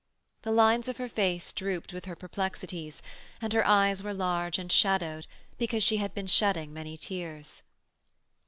The lines of her face drooped with her perplexities, and her eyes were large and shadowed, because she had been shedding many tears.